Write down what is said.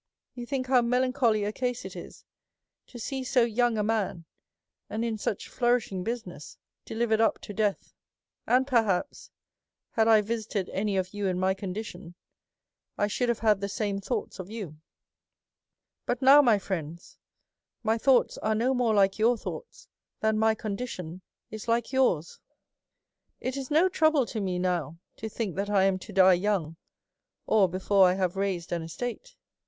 You think how melancholy a case it is to see so young a man, and in such flourishing bu siness, delivered up (o death. And perhaps, had I visited any of you in my condition, 1 should have had the same thoughts of you. DEVOUT AND HOLY LIFE. 27 " But now, my friends, my thoughts are no more like your thoui^hts than my condition is hke yours. " It is no trouble to me now to think that 1 am to die young, or before I have raised an estate.